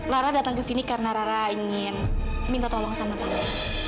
lara datang kesini karena rara ingin minta tolong sama tante